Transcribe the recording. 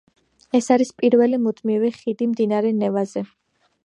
ეს არის პირველი მუდმივი ხიდი მდინარე ნევაზე.